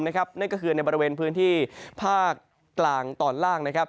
นั่นก็คือในบริเวณพื้นที่ภาคกลางตอนล่างนะครับ